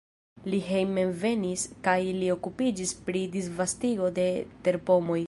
Li hejmenvenis kaj li okupiĝis pri disvastigo de terpomoj.